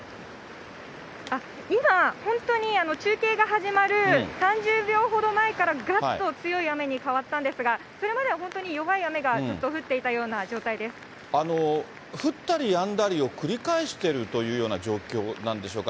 今、本当に中継が始まる３０秒ほど前から、がっと強い雨に変わったんですが、それまでは本当に弱い雨がずっと降ったりやんだりを繰り返してるというような状況なんでしょうか。